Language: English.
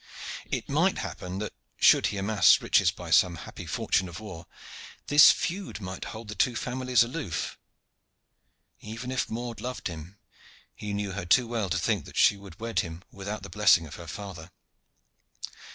It might happen that, should he amass riches by some happy fortune of war, this feud might hold the two families aloof. Even if Maude loved him, he knew her too well to think that she would wed him without the blessing of her father.